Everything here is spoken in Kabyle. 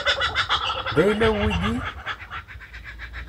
D ayla-w wiyi?